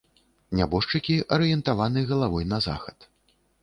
Нябожчыкі арыентаваны галавой на захад.